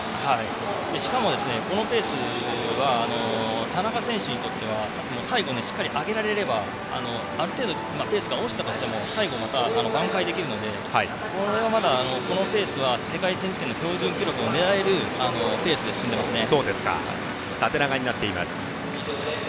しかも、このペースは田中選手にとっては最後、しっかり上げられればある程度ペースが落ちても最後にまた挽回できるのでこれは、まだこのペースは世界選手権の標準記録を狙えるペースで進んでいますね。